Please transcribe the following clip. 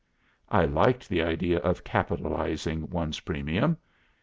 '" "I liked the idea of capitalising one's premium.